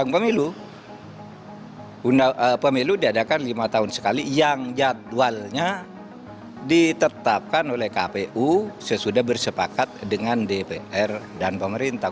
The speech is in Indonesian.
pemilu diadakan lima tahun sekali yang jadwalnya ditetapkan oleh kpu sesudah bersepakat dengan dpr dan pemerintah